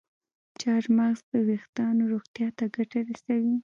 چارمغز د ویښتانو روغتیا ته ګټه رسوي.